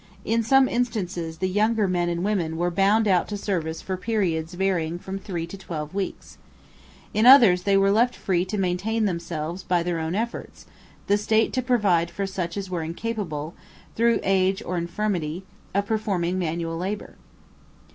In some instances the younger men and women were bound out to service for periods varying from three to twelve weeks. In others they were left free to maintain themselves by their own efforts, the state to provide for such as were incapable, through age or infirmity, of performing manual labour.